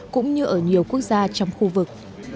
cũng như ở nhiều quốc gia trong khu vực